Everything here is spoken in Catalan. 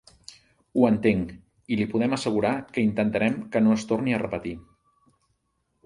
Ho entenc i li podem assegurar que intentarem que no es torni a repetir.